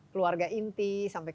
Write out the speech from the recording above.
keluarga inti sampai